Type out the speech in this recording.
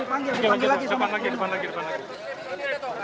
depan lagi depan lagi depan lagi